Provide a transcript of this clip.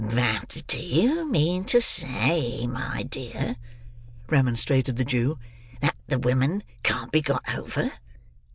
"But do you mean to say, my dear," remonstrated the Jew, "that the women can't be got over?"